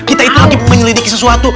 kita itu wajib menyelidiki sesuatu